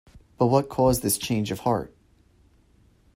But what caused this change of heart?